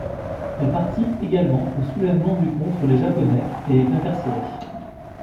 Elle participe également au soulèvement du contre les Japonais et est incarcérée.